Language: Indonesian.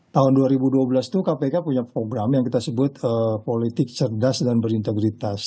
tahun dua ribu dua belas itu kpk punya program yang kita sebut politik cerdas dan berintegritas